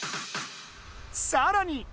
さらに！